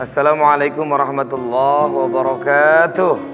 assalamualaikum warahmatullahi wabarakatuh